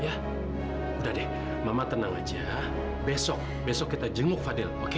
ya udah deh mama tenang aja besok besok kita jenguk fadil